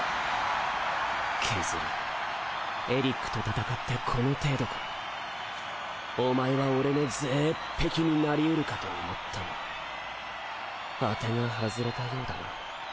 ケズルエリックと戦ってこの程度かお前は俺のゼーッペキになりうるかと思ったが当てが外れたようだな